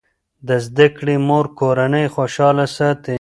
د زده کړې مور کورنۍ خوشاله ساتي.